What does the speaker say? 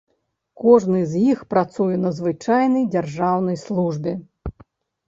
Кожны з іх працуе на звычайнай дзяржаўнай службе.